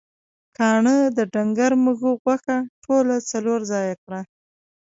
کاڼهٔ د ډنګر مږهٔ غوښه ټوله څلور ځایه کړه.